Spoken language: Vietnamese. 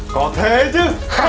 có thế chứ